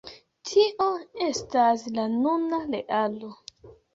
tio estas la nuna realo.